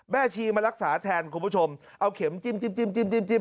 แม่ชีมารักษาแทนคุณผู้ชมเอาเข็มจิ้มจิ้มจิ้มจิ้มจิ้ม